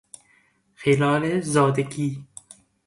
حلال زادگی